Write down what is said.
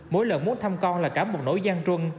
mỗi lần muốn thăm con là cả một nỗi gian trung